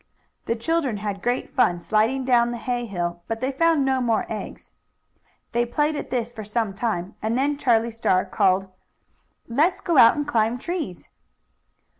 The children had great fun sliding down the hay hill, but they found no more eggs. They played at this for some time, and then Charlie Star called: "Let's go out and climb trees!"